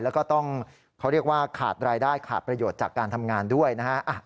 แล้วก็ต้องเขาเรียกว่าขาดรายได้ขาดประโยชน์จากการทำงานด้วยนะฮะ